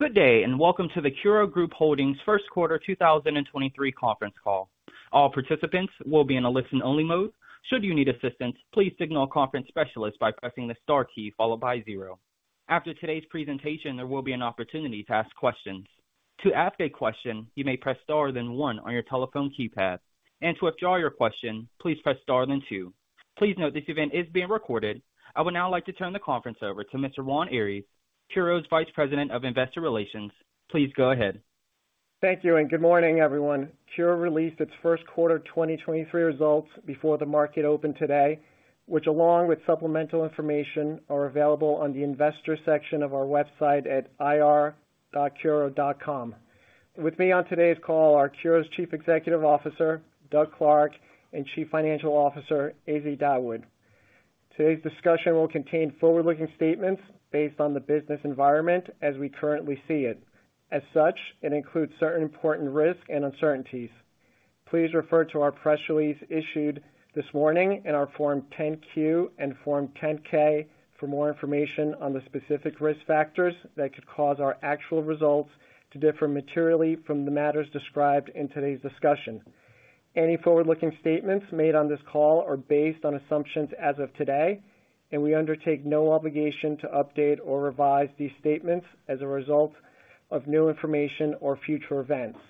Good day, welcome to the CURO Group Holdings first quarter 2023 conference call. All participants will be in a listen-only mode. Should you need assistance, please signal a conference specialist by pressing the star key followed by zero. After today's presentation, there will be an opportunity to ask questions. To ask a question, you may press Star then one on your telephone keypad. To withdraw your question, please press Star then two. Please note this event is being recorded. I would now like to turn the conference over to Mr. Juan Aris, CURO's Vice President of Investor Relations. Please go ahead. Thank you. Good morning, everyone. CURO released its first quarter 2023 results before the market opened today, which along with supplemental information, are available on the investor section of our website at ir.curo.com. With me on today's call are CURO's Chief Executive Officer, Doug Clark, and Chief Financial Officer, Izzy Dawood. Today's discussion will contain forward-looking statements based on the business environment as we currently see it. As such, it includes certain important risks and uncertainties. Please refer to our press release issued this morning in our Form 10-Q and Form 10-K for more information on the specific risk factors that could cause our actual results to differ materially from the matters described in today's discussion. Any forward-looking statements made on this call are based on assumptions as of today, and we undertake no obligation to update or revise these statements as a result of new information or future events.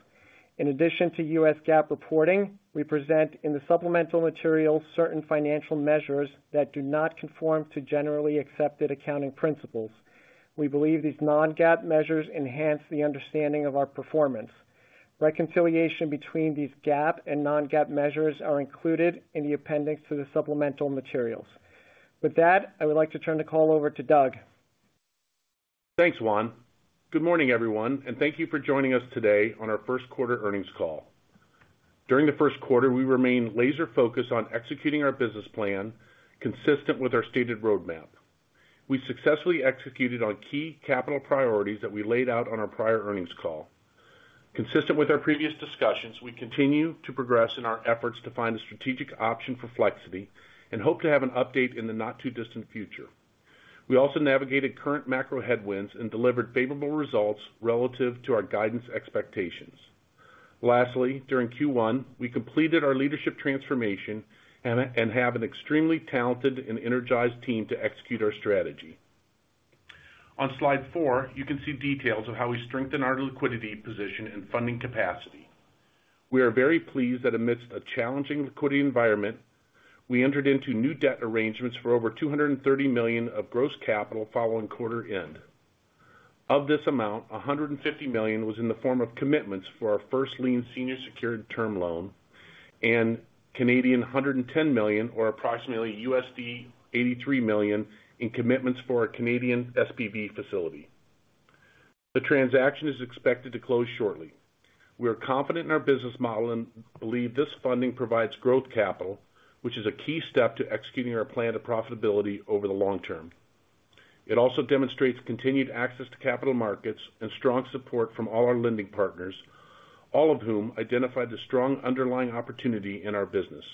In addition to U.S. GAAP reporting, we present in the supplemental material certain financial measures that do not conform to generally accepted accounting principles. We believe these non-GAAP measures enhance the understanding of our performance. Reconciliation between these GAAP and non-GAAP measures are included in the appendix to the supplemental materials. With that, I would like to turn the call over to Doug. Thanks, Juan. Good morning, everyone, and thank you for joining us today on our first quarter earnings call. During the first quarter, we remained laser-focused on executing our business plan consistent with our stated roadmap. We successfully executed on key capital priorities that we laid out on our prior earnings call. Consistent with our previous discussions, we continue to progress in our efforts to find a strategic option for Flexiti and hope to have an update in the not-too-distant future. We also navigated current macro headwinds and delivered favorable results relative to our guidance expectations. Lastly, during Q1, we completed our leadership transformation and have an extremely talented and energized team to execute our strategy. On slide four, you can see details of how we strengthen our liquidity position and funding capacity. We are very pleased that amidst a challenging liquidity environment, we entered into new debt arrangements for over $230 million of gross capital following quarter end. Of this amount, $150 million was in the form of commitments for our first lien senior secured term loan and 110 million, or approximately $83 million in commitments for our Canadian SPV facility. The transaction is expected to close shortly. We are confident in our business model and believe this funding provides growth capital, which is a key step to executing our plan to profitability over the long term. It also demonstrates continued access to capital markets and strong support from all our lending partners, all of whom identified the strong underlying opportunity in our business.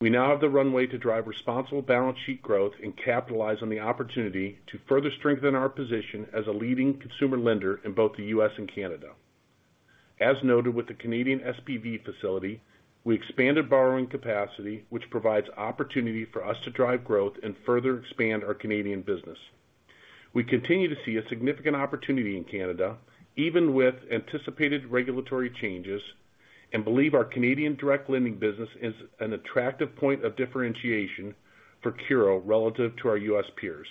We now have the runway to drive responsible balance sheet growth and capitalize on the opportunity to further strengthen our position as a leading consumer lender in both the U.S. and Canada. As noted with the Canadian SPV facility, we expanded borrowing capacity, which provides opportunity for us to drive growth and further expand our Canadian business. We continue to see a significant opportunity in Canada, even with anticipated regulatory changes, and believe our Canadian direct lending business is an attractive point of differentiation for CURO relative to our U.S. peers.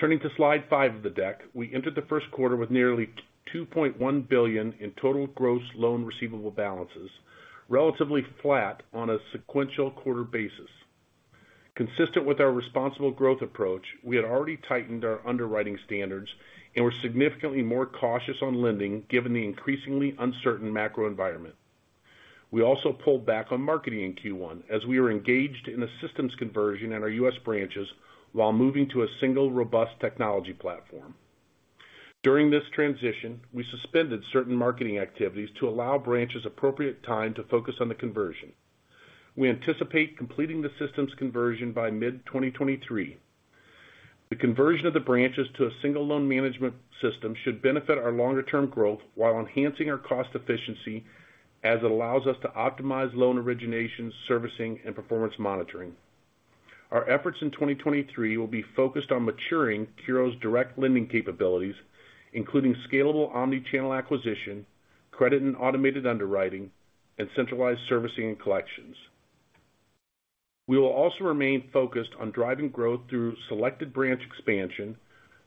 Turning to slide five of the deck, we entered the first quarter with nearly $2.1 billion in total gross loan receivable balances, relatively flat on a sequential quarter basis. Consistent with our responsible growth approach, we had already tightened our underwriting standards and were significantly more cautious on lending given the increasingly uncertain macro environment. We also pulled back on marketing in Q1 as we were engaged in a systems conversion at our U.S. branches while moving to a single robust technology platform. During this transition, we suspended certain marketing activities to allow branches appropriate time to focus on the conversion. We anticipate completing the systems conversion by mid-2023. The conversion of the branches to a single loan management system should benefit our longer-term growth while enhancing our cost efficiency as it allows us to optimize loan originations, servicing, and performance monitoring. Our efforts in 2023 will be focused on maturing CURO's direct lending capabilities, including scalable omni-channel acquisition, credit and automated underwriting, and centralized servicing and collections. We will also remain focused on driving growth through selected branch expansion,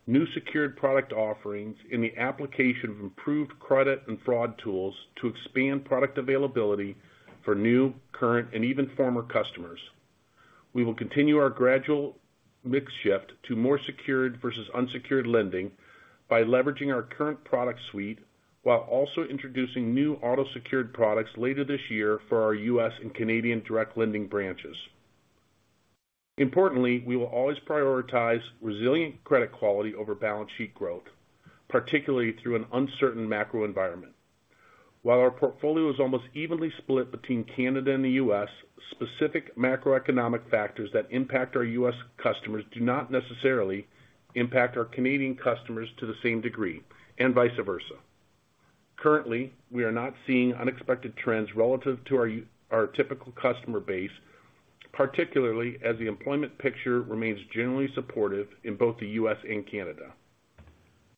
new secured product offerings in the application of improved credit and fraud tools to expand product availability for new, current, and even former customers. We will continue our gradual mix shift to more secured versus unsecured lending by leveraging our current product suite while also introducing new auto secured products later this year for our U.S. and Canadian direct lending branches. Importantly, we will always prioritize resilient credit quality over balance sheet growth, particularly through an uncertain macro environment. While our portfolio is almost evenly split between Canada and the U.S., specific macroeconomic factors that impact our U.S. customers do not necessarily impact our Canadian customers to the same degree and vice versa. Currently, we are not seeing unexpected trends relative to our typical customer base, particularly as the employment picture remains generally supportive in both the U.S. and Canada.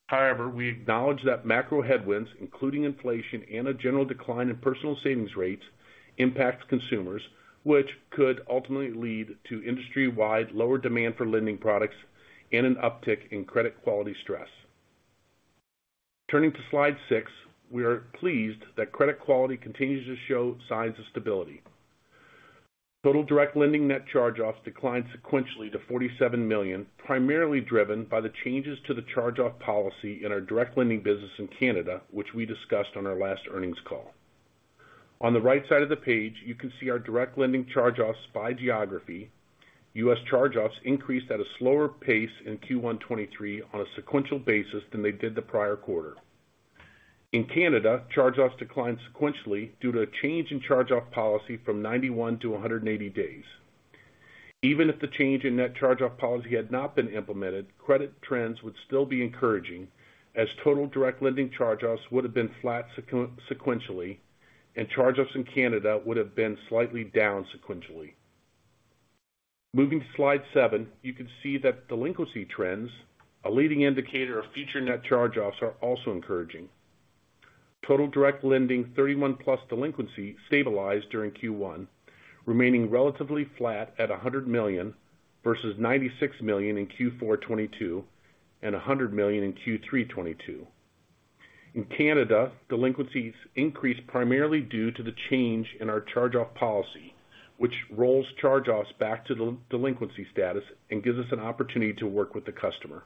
However, we acknowledge that macro headwinds, including inflation and a general decline in personal savings rates, impact consumers, which could ultimately lead to industry-wide lower demand for lending products and an uptick in credit quality stress. Turning to slide six, we are pleased that credit quality continues to show signs of stability. Total direct lending net charge-offs declined sequentially to $47 million, primarily driven by the changes to the charge-off policy in our direct lending business in Canada, which we discussed on our last earnings call. On the right side of the page, you can see our direct lending charge-offs by geography. U.S. charge-offs increased at a slower pace in Q1 2023 on a sequential basis than they did the prior quarter. In Canada, charge-offs declined sequentially due to a change in charge-off policy from 91 to 180 days. Even if the change in net charge-off policy had not been implemented, credit trends would still be encouraging as total direct lending charge-offs would have been flat sequentially, and charge-offs in Canada would have been slightly down sequentially. Moving to slide 7, you can see that delinquency trends, a leading indicator of future net charge-offs, are also encouraging. Total direct lending 31+ delinquency stabilized during Q1, remaining relatively flat at $100 million versus $96 million in Q4 2022 and $100 million in Q3 2022. In Canada, delinquencies increased primarily due to the change in our charge-off policy, which rolls charge-offs back to delinquency status and gives us an opportunity to work with the customer.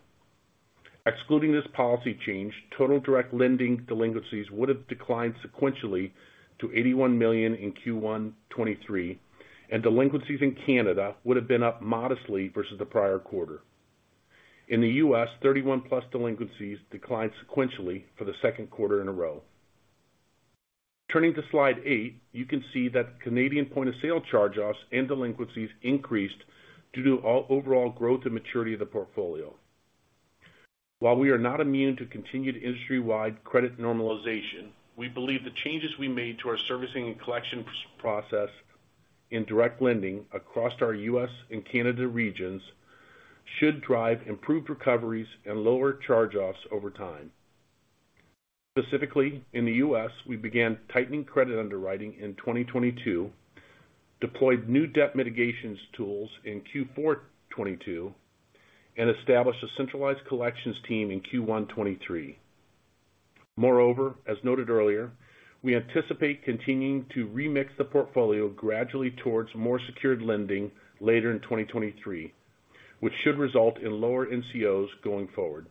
Excluding this policy change, total direct lending delinquencies would have declined sequentially to $81 million in Q1 2023, and delinquencies in Canada would have been up modestly versus the prior quarter. In the U.S., 31+ delinquencies declined sequentially for the second quarter in a row. Turning to slide eight, you can see that Canadian point-of-sale charge-offs and delinquencies increased due to overall growth and maturity of the portfolio. While we are not immune to continued industry-wide credit normalization, we believe the changes we made to our servicing and collection process in direct lending across our U.S. and Canada regions should drive improved recoveries and lower charge-offs over time. Specifically, in the U.S., we began tightening credit underwriting in 2022, deployed new debt mitigations tools in Q4 '22, and established a centralized collections team in Q1 '23. As noted earlier, we anticipate continuing to remix the portfolio gradually towards more secured lending later in 2023, which should result in lower NCOs going forward.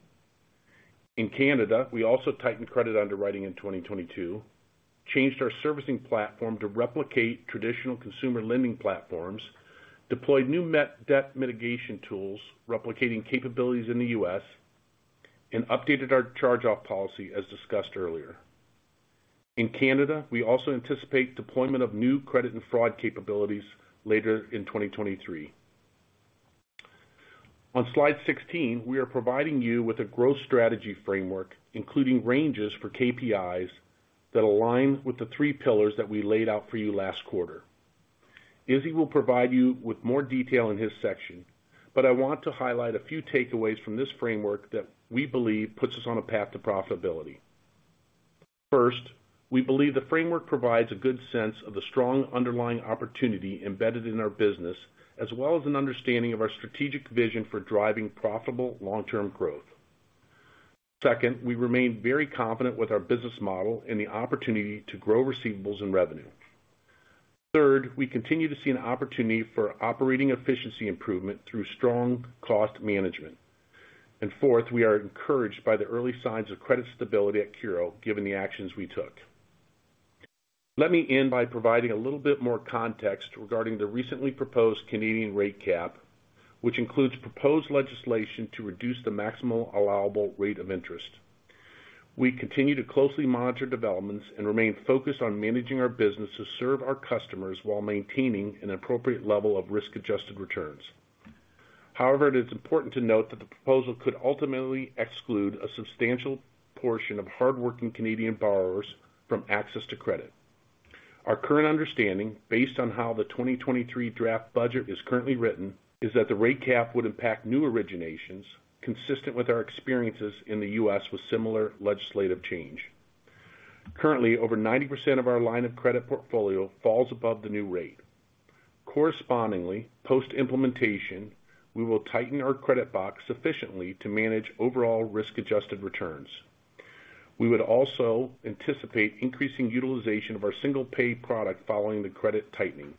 In Canada, we also tightened credit underwriting in 2022, changed our servicing platform to replicate traditional consumer lending platforms, deployed new debt mitigation tools replicating capabilities in the U.S., and updated our charge-off policy as discussed earlier. In Canada, we also anticipate deployment of new credit and fraud capabilities later in 2023. On slide 16, we are providing you with a growth strategy framework, including ranges for KPIs that align with the three pillars that we laid out for you last quarter. Izzy will provide you with more detail in his section, I want to highlight a few takeaways from this framework that we believe puts us on a path to profitability. First, we believe the framework provides a good sense of the strong underlying opportunity embedded in our business, as well as an understanding of our strategic vision for driving profitable long-term growth. Second, we remain very confident with our business model and the opportunity to grow receivables and revenue. Third, we continue to see an opportunity for operating efficiency improvement through strong cost management. Fourth, we are encouraged by the early signs of credit stability at CURO given the actions we took. Let me end by providing a little bit more context regarding the recently proposed Canadian rate cap, which includes proposed legislation to reduce the maximum allowable rate of interest. We continue to closely monitor developments and remain focused on managing our business to serve our customers while maintaining an appropriate level of risk-adjusted returns. However, it is important to note that the proposal could ultimately exclude a substantial portion of hardworking Canadian borrowers from access to credit. Our current understanding, based on how the 2023 draft budget is currently written, is that the rate cap would impact new originations consistent with our experiences in the U.S. with similar legislative change. Currently, over 90% of our line of credit portfolio falls above the new rate. Correspondingly, post-implementation, we will tighten our credit box sufficiently to manage overall risk-adjusted returns. We would also anticipate increasing utilization of our single pay product following the credit tightening.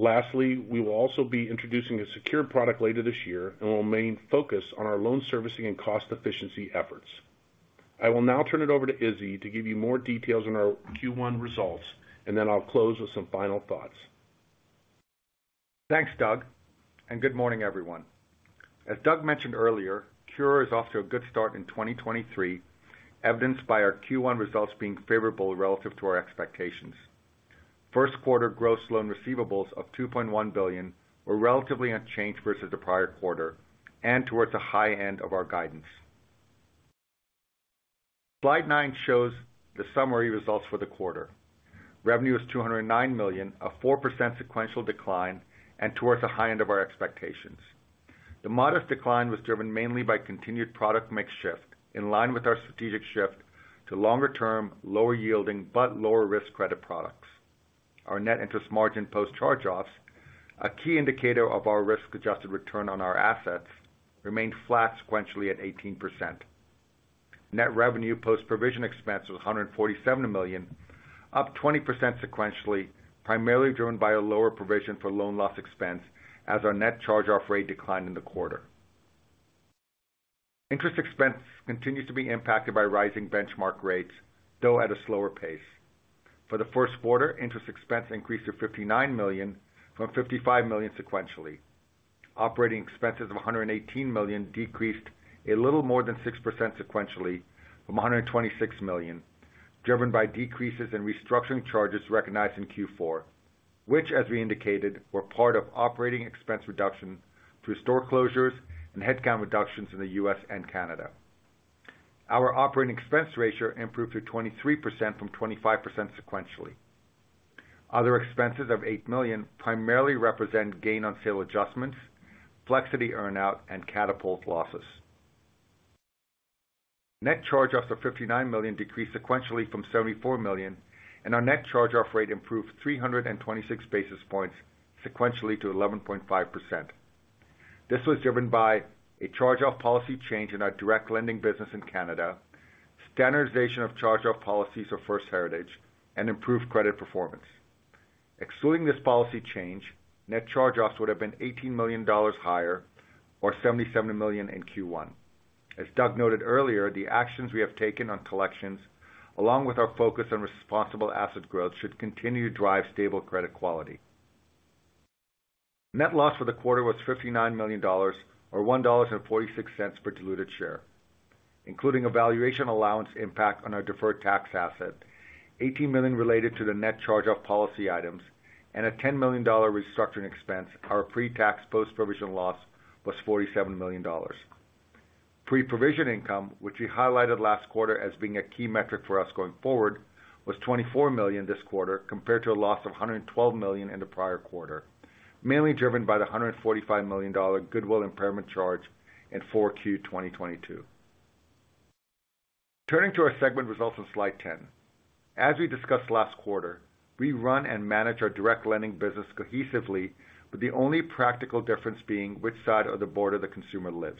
Lastly, we will also be introducing a secure product later this year and will remain focused on our loan servicing and cost efficiency efforts. I will now turn it over to Izzy to give you more details on our Q1 results, and then I'll close with some final thoughts. Thanks, Doug. Good morning, everyone. As Doug mentioned earlier, CURO is off to a good start in 2023, evidenced by our Q1 results being favorable relative to our expectations. First quarter gross loan receivables of $2.1 billion were relatively unchanged versus the prior quarter and towards the high end of our guidance. Slide 9 shows the summary results for the quarter. Revenue is $209 million, a 4% sequential decline, and towards the high end of our expectations. The modest decline was driven mainly by continued product mix shift, in line with our strategic shift to longer-term, lower-yielding, but lower-risk credit products. Our net interest margin post-charge-offs, a key indicator of our risk-adjusted return on our assets, remained flat sequentially at 18%. Net revenue post-provision expense was $147 million, up 20% sequentially, primarily driven by a lower provision for loan loss expense as our net charge-off rate declined in the quarter. Interest expense continues to be impacted by rising benchmark rates, though at a slower pace. For the first quarter, interest expense increased to $59 million from $55 million sequentially. Operating expenses of $118 million decreased a little more than 6% sequentially from $126 million, driven by decreases in restructuring charges recognized in Q4, which, as we indicated, were part of operating expense reduction through store closures and headcount reductions in the U.S. and Canada. Our OpEx ratio improved to 23% from 25% sequentially. Other expenses of $8 million primarily represent gain on sale adjustments, Flexiti earn-out, and Katapult losses. Net charge-offs of $59 million decreased sequentially from $74 million. Our net charge-off rate improved 326 basis points sequentially to 11.5%. This was driven by a charge-off policy change in our direct lending business in Canada, standardization of charge-off policies of First Heritage, and improved credit performance. Excluding this policy change, net charge-offs would have been $18 million higher or $77 million in Q1. As Doug noted earlier, the actions we have taken on collections, along with our focus on responsible asset growth, should continue to drive stable credit quality. Net loss for the quarter was $59 million or $1.46 per diluted share. Including a valuation allowance impact on our deferred tax asset, $18 million related to the net charge-off policy items and a $10 million restructuring expense, our pre-tax post-provision loss was $47 million. Pre-provision income, which we highlighted last quarter as being a key metric for us going forward, was $24 million this quarter compared to a loss of $112 million in the prior quarter, mainly driven by the $145 million goodwill impairment charge in 4Q 2022. Turning to our segment results on slide 10. As we discussed last quarter, we run and manage our direct lending business cohesively, with the only practical difference being which side of the board of the consumer lives.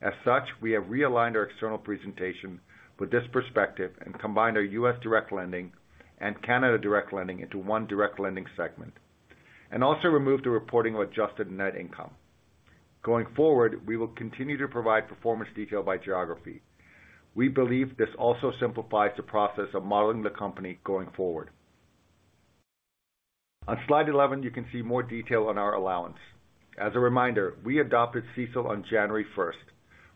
As such, we have realigned our external presentation with this perspective and combined our U.S. direct lending and Canada direct lending into one direct lending segment and also removed the reporting of adjusted net income. Going forward, we will continue to provide performance detail by geography. We believe this also simplifies the process of modeling the company going forward. On slide 11, you can see more detail on our allowance. As a reminder, we adopted CECL on January 1st,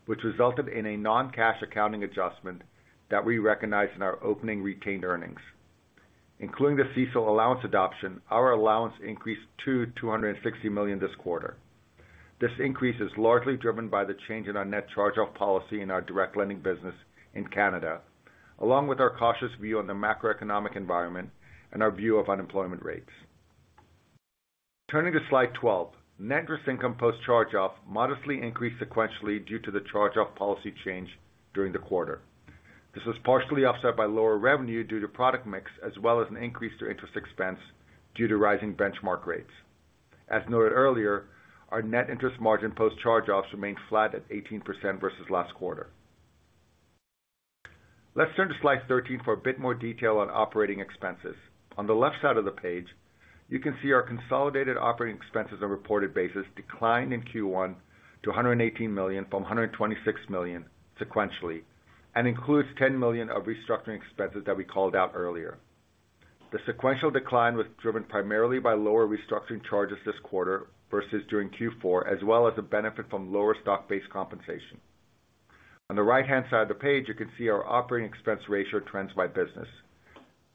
which resulted in a non-cash accounting adjustment that we recognized in our opening retained earnings. Including the CECL allowance adoption, our allowance increased to $260 million this quarter. This increase is largely driven by the change in our net charge-off policy in our direct lending business in Canada, along with our cautious view on the macroeconomic environment and our view of unemployment rates. Turning to slide 12, net interest income post charge-off modestly increased sequentially due to the charge-off policy change during the quarter. This was partially offset by lower revenue due to product mix as well as an increase to interest expense due to rising benchmark rates. As noted earlier, our net interest margin post charge-offs remained flat at 18% versus last quarter. Let's turn to slide 13 for a bit more detail on operating expenses. On the left side of the page, you can see our consolidated operating expenses on a reported basis declined in Q1 to $118 million from $126 million sequentially and includes $10 million of restructuring expenses that we called out earlier. The sequential decline was driven primarily by lower restructuring charges this quarter versus during Q4, as well as a benefit from lower stock-based compensation. On the right-hand side of the page, you can see our OpEx ratio trends by business.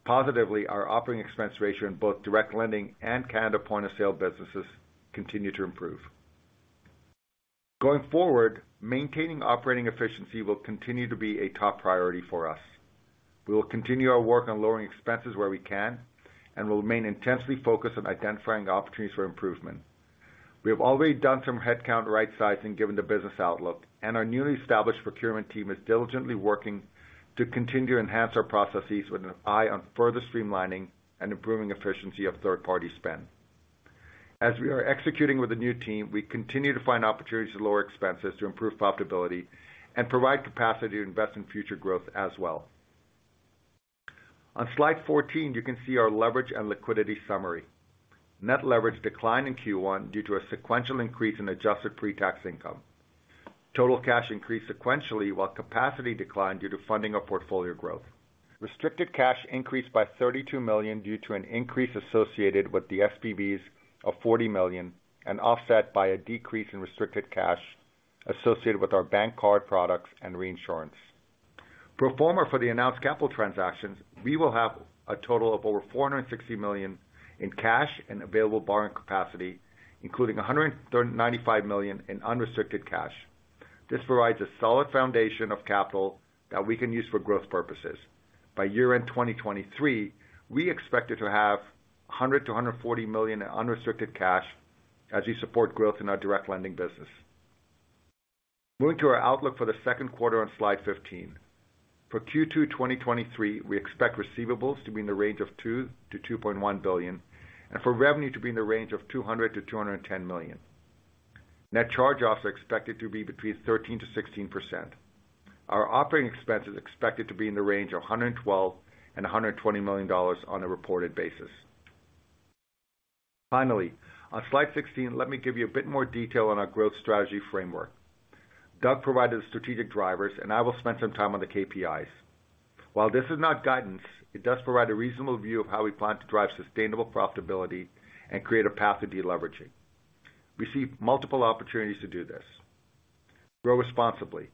Positively, our OpEx ratio in both direct lending and Canada point-of-sale businesses continue to improve. Going forward, maintaining operating efficiency will continue to be a top priority for us. We will continue our work on lowering expenses where we can and will remain intensely focused on identifying opportunities for improvement. We have already done some headcount rightsizing given the business outlook, and our newly established procurement team is diligently working to continue to enhance our processes with an eye on further streamlining and improving efficiency of third-party spend. As we are executing with the new team, we continue to find opportunities to lower expenses to improve profitability and provide capacity to invest in future growth as well. On slide 14, you can see our leverage and liquidity summary. Net leverage declined in Q1 due to a sequential increase in adjusted pre-tax income. Total cash increased sequentially while capacity declined due to funding of portfolio growth. Restricted cash increased by $32 million due to an increase associated with the SPVs of $40 million and offset by a decrease in restricted cash associated with our bank card products and reinsurance. Pro forma for the announced capital transactions, we will have a total of over $460 million in cash and available borrowing capacity, including $95 million in unrestricted cash. This provides a solid foundation of capital that we can use for growth purposes. By year-end 2023, we expected to have $100 million-$140 million in unrestricted cash as we support growth in our direct lending business. Moving to our outlook for the second quarter on slide 15. For Q2 2023, we expect receivables to be in the range of $2 billion-2.1 billion and for revenue to be in the range of $200 million-210 million. Net charge-offs are expected to be between 13-16%. Our operating expense is expected to be in the range of $112 million-120 million on a reported basis. Finally, on slide 16, let me give you a bit more detail on our growth strategy framework. Doug provided the strategic drivers, and I will spend some time on the KPIs. While this is not guidance, it does provide a reasonable view of how we plan to drive sustainable profitability and create a path to deleveraging. We see multiple opportunities to do this. Grow responsibly.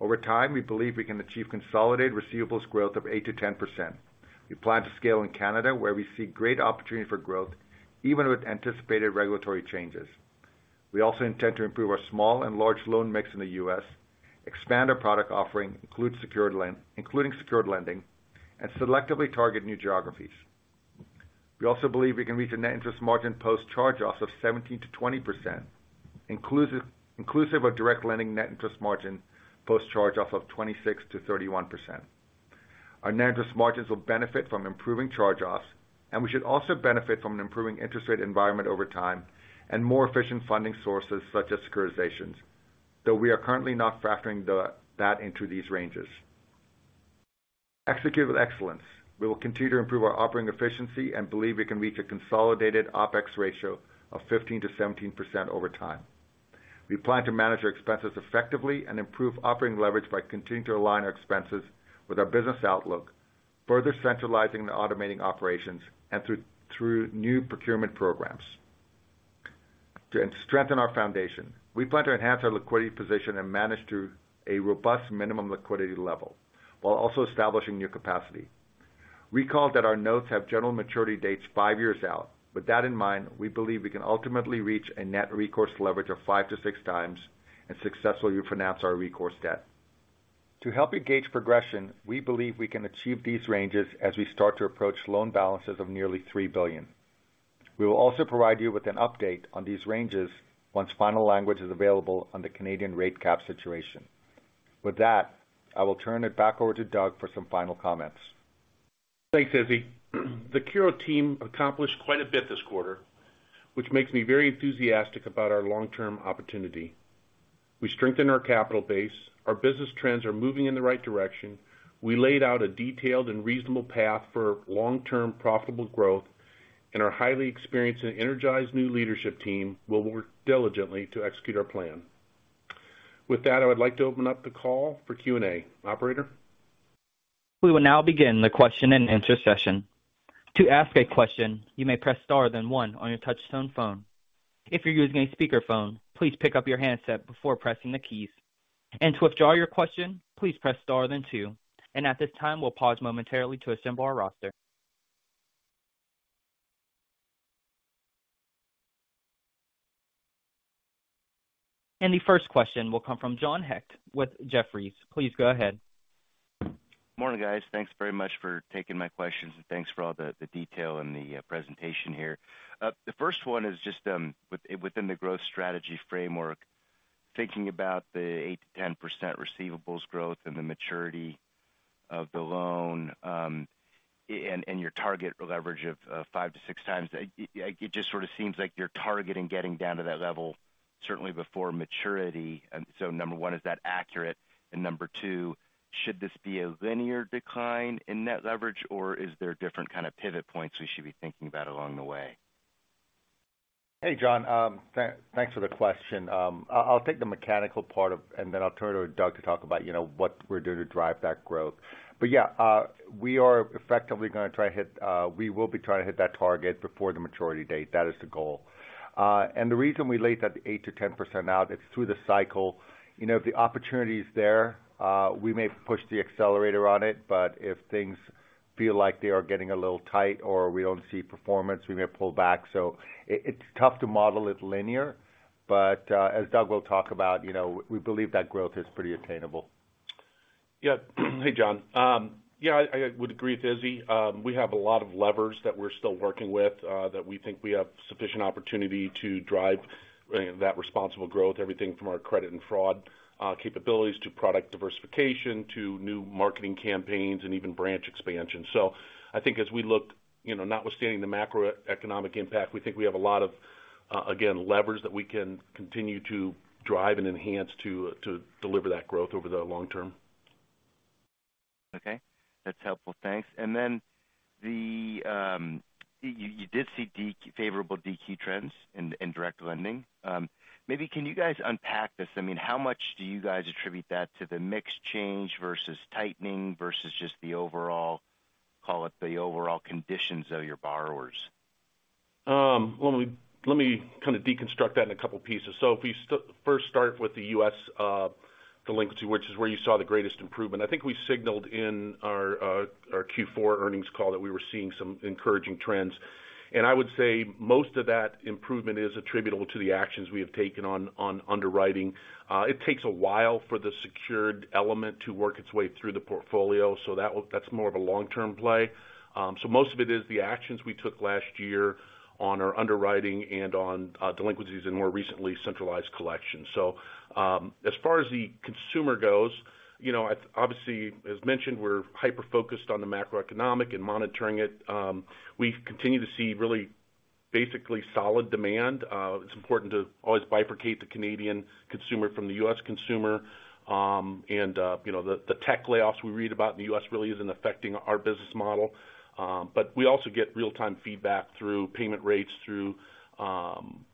Over time, we believe we can achieve consolidated receivables growth of 8%-10%. We plan to scale in Canada, where we see great opportunity for growth even with anticipated regulatory changes. We also intend to improve our small and large loan mix in the US, expand our product offering, including secured lending, and selectively target new geographies. We also believe we can reach a net interest margin post charge-offs of 17-20%, inclusive of direct lending net interest margin post charge-off of 26-31%. Our net interest margins will benefit from improving charge-offs, and we should also benefit from an improving interest rate environment over time and more efficient funding sources such as securitizations, though we are currently not factoring that into these ranges. Execute with excellence. We will continue to improve our operating efficiency and believe we can reach a consolidated OpEx ratio of 15-17% over time. We plan to manage our expenses effectively and improve operating leverage by continuing to align our expenses with our business outlook, further centralizing and automating operations and through new procurement programs. To strengthen our foundation. We plan to enhance our liquidity position and manage to a robust minimum liquidity level while also establishing new capacity. Recall that our notes have general maturity dates five years out. With that in mind, we believe we can ultimately reach a net recourse leverage of 5-6 times and successfully refinance our recourse debt. To help engage progression, we believe we can achieve these ranges as we start to approach loan balances of nearly $3 billion. We will also provide you with an update on these ranges once final language is available on the Canadian rate cap situation. I will turn it back over to Doug for some final comments. Thanks, Izzy. The CURO team accomplished quite a bit this quarter, which makes me very enthusiastic about our long-term opportunity. We strengthened our capital base. Our business trends are moving in the right direction. Our highly experienced and energized new leadership team will work diligently to execute our plan. With that, I would like to open up the call for Q&A. Operator? We will now begin the question-and-answer session. To ask a question, you may press star then one on your touchtone phone. If you're using a speakerphone, please pick up your handset before pressing the keys. To withdraw your question, please press star then two. At this time, we'll pause momentarily to assemble our roster. The first question will come from John Hecht with Jefferies. Please go ahead. Morning, guys. Thanks very much for taking my questions and thanks for all the detail in the presentation here. The first one is just within the growth strategy framework, thinking about the 8%-10% receivables growth and the maturity of the loan, and your target leverage of 5-6x. It just sort of seems like you're targeting getting down to that level certainly before maturity. Number one, is that accurate? And number two, should this be a linear decline in net leverage, or is there different kind of pivot points we should be thinking about along the way? Hey, John. Thanks for the question. I'll take the mechanical part and then I'll turn it over to Doug to talk about, you know, what we're doing to drive that growth. Yeah, We will be trying to hit that target before the maturity date. That is the goal. The reason we laid that 8-10% out, it's through the cycle. You know, if the opportunity is there, we may push the accelerator on it, but if things feel like they are getting a little tight or we don't see performance, we may pull back. It's tough to model it linear, but as Doug will talk about, you know, we believe that growth is pretty attainable. Yeah. Hey, John. Yeah, I would agree with Izzy. We have a lot of levers that we're still working with, that we think we have sufficient opportunity to drive that responsible growth, everything from our credit and fraud capabilities to product diversification to new marketing campaigns and even branch expansion. I think as we look, you know, notwithstanding the macroeconomic impact, we think we have a lot of, again, levers that we can continue to drive and enhance to deliver that growth over the long term. Okay. That's helpful. Thanks. The you did see favorable DQ trends in direct lending. Maybe can you guys unpack this? I mean, how much do you guys attribute that to the mix change versus tightening versus just the overall, call it the overall conditions of your borrowers? Let me kind of deconstruct that in a couple pieces. If we first start with the U.S. delinquency, which is where you saw the greatest improvement. I think we signaled in our Q4 earnings call that we were seeing some encouraging trends. I would say most of that improvement is attributable to the actions we have taken on underwriting. It takes a while for the secured element to work its way through the portfolio, so that's more of a long-term play. Most of it is the actions we took last year on our underwriting and on delinquencies and more recently, centralized collections. As far as the consumer goes, you know, obviously, as mentioned, we're hyper-focused on the macroeconomic and monitoring it. We continue to see really basically solid demand. It's important to always bifurcate the Canadian consumer from the U.S. consumer. You know, the tech layoffs we read about in the U.S. really isn't affecting our business model. But we also get real-time feedback through payment rates,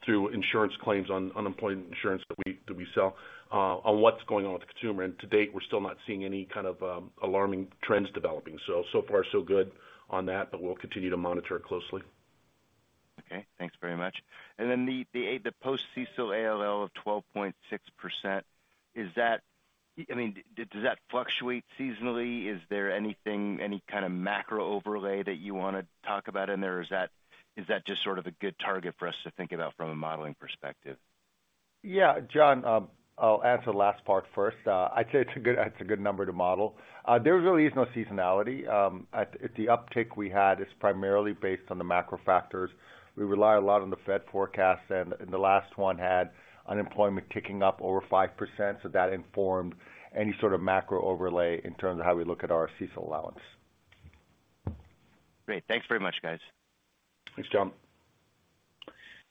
through insurance claims on unemployment insurance that we sell on what's going on with the consumer. To date, we're still not seeing any kind of alarming trends developing. So far so good on that, but we'll continue to monitor it closely. Okay. Thanks very much. Then the post-CECL ALL of 12.6%, is that, I mean, does that fluctuate seasonally? Is there anything, any kind of macro overlay that you wanna talk about in there? Is that just sort of a good target for us to think about from a modeling perspective? Yeah, John, I'll answer the last part first. I'd say it's a good number to model. There really is no seasonality. The uptick we had is primarily based on the macro factors. We rely a lot on the Fed forecasts, and the last one had unemployment ticking up over 5%, so that informed any sort of macro overlay in terms of how we look at our CECL allowance. Great. Thanks very much, guys. Thanks, John.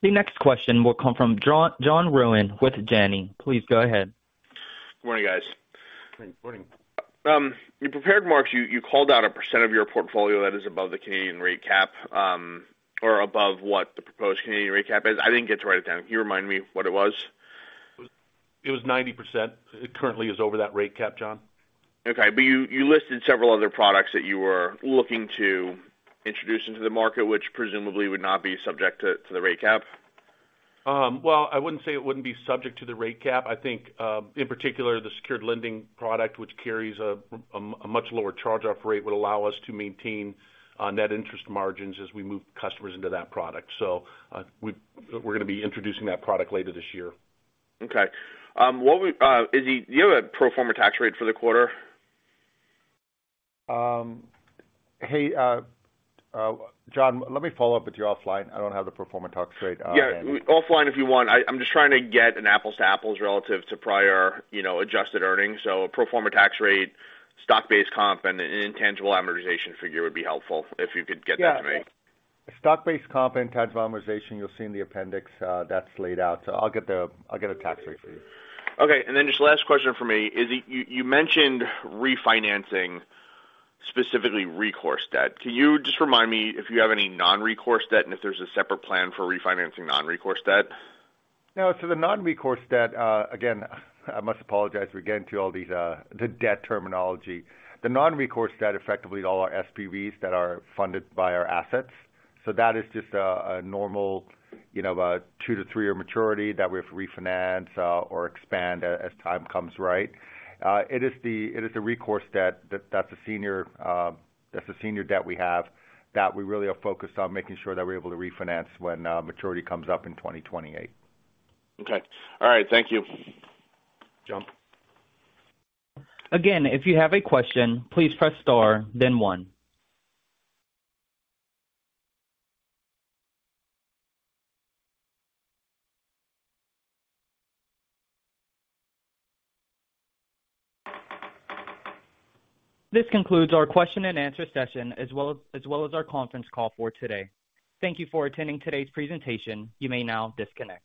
The next question will come from John Rowan with Janney. Please go ahead. Good morning, guys. Good morning. In prepared marks, you called out a % of your portfolio that is above the Canadian rate cap, or above what the proposed Canadian rate cap is. I didn't get to write it down. Can you remind me what it was? It was 90%. It currently is over that rate cap, John. Okay. You listed several other products that you were looking to introduce into the market, which presumably would not be subject to the rate cap. Well, I wouldn't say it wouldn't be subject to the rate cap. I think, in particular, the secured lending product, which carries a much lower charge-off rate, would allow us to maintain net interest margins as we move customers into that product. We're gonna be introducing that product later this year. Okay. Izzy, do you have a pro forma tax rate for the quarter? Hey, John, let me follow up with you offline. I don't have the pro forma tax rate. Yeah, offline if you want. I'm just trying to get an apples to apples relative to prior, you know, adjusted earnings. A pro forma tax rate, stock-based comp, and an intangible amortization figure would be helpful if you could get that to me. Yeah. Stock-based comp, intangible amortization, you'll see in the appendix, that's laid out. I'll get a tax rate for you. Okay. Just last question for me. Izzy, you mentioned refinancing, specifically recourse debt. Can you just remind me if you have any non-recourse debt, and if there's a separate plan for refinancing non-recourse debt? The non-recourse debt, again, I must apologize for getting through all these, the debt terminology. The non-recourse debt, effectively all our SPVs that are funded by our assets. That is just a normal, you know, two to three-year maturity that we have to refinance or expand as time comes right. It is the recourse debt that's a senior, that's a senior debt we have that we really are focused on making sure that we're able to refinance when maturity comes up in 2028. Okay. All right. Thank you. John. Again, if you have a question, please press star then one. This concludes our question and answer session as well as our conference call for today. Thank you for attending today's presentation. You may now disconnect.